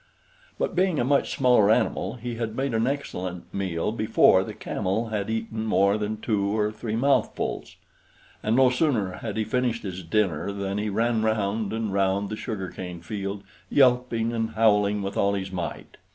But being a much smaller animal, he had made an excellent meal before the Camel had eaten more than two or three mouthfuls; and no sooner had he finished his dinner than he ran round and round the sugarcane field, yelping and howling with all his might.